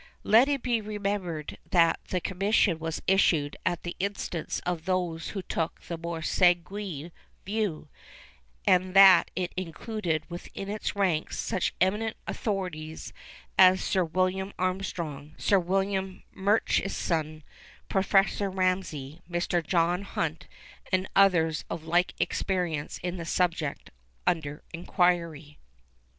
Let it be remembered that the Commission was issued at the instance of those who took the more sanguine view, and that it included within its ranks such eminent authorities as Sir William Armstrong, Sir Robert Murchison, Professor Ramsay, Mr. John Hunt, and others of like experience in the subject under inquiry.